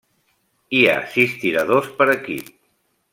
Hi ha sis tiradors per equip.